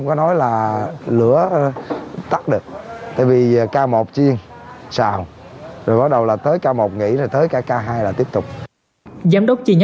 giám đốc chị nhánh công